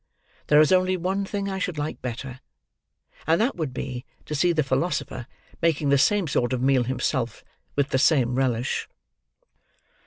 There is only one thing I should like better; and that would be to see the Philosopher making the same sort of meal himself, with the same relish.